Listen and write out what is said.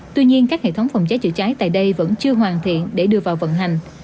tuy nhiên các hệ thống phòng cháy chữa cháy tại đây vẫn chưa hoàn thiện để đưa vào vận hành